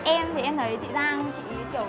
em thì em thấy chị giang chị kiểu